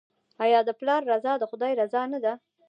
آیا د پلار رضا د خدای رضا نه ده؟